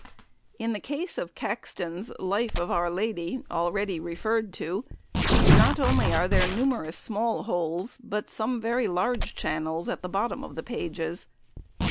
In the case of Caxton's "Lyf of oure ladye," already referred to, not only are there numerous small holes, but some very large channels at the bottom of the pages.